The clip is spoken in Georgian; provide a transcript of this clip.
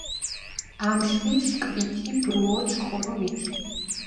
ამშვი, შკვითი, ბრუო, ჩხორო, ვითი